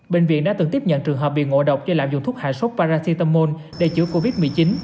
bệnh viện đã từng tiếp nhận trường hợp bị ngộ độc do lạm dụng thuốc hạ sốt paracetamol để chữa covid một mươi chín